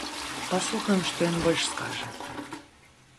Паслухаем, што ён больш скажа.